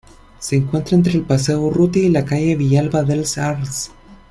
Se encuentra entre el Paseo "Urrutia" y la calle "Villalba dels Arcs".